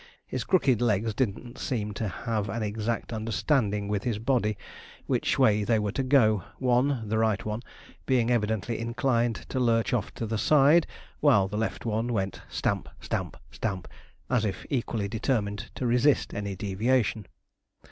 His crooked legs didn't seem to have an exact understanding with his body which way they were to go; one, the right one, being evidently inclined to lurch off to the side, while the left one went stamp, stamp, stamp, as if equally determined to resist any deviation.